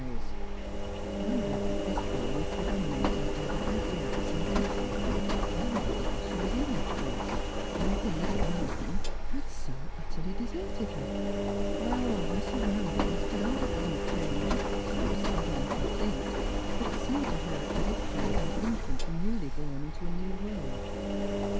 s, — wonder at this period predominating over every other sen&ation — wonder why she was in that place; why he, Mal colm, had so utterly deserted her; why all her surroundings had undergone a change so sudden and complete that it seemed to her as if she was an infant newly born into a new world— Strangers and Pilyrims.